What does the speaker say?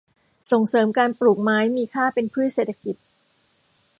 ส่งเสริมการปลูกไม้มีค่าเป็นพืชเศรษฐกิจ